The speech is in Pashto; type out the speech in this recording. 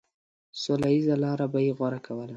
سوله ييزه لاره به يې غوره کوله.